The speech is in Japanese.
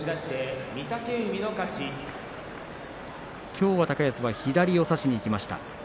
きょうは高安は左を差しにいきました。